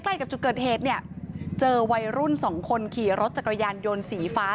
ใกล้กับจุดเกิดเหตุเนี่ยเจอวัยรุ่นสองคนขี่รถจักรยานยนต์สีฟ้า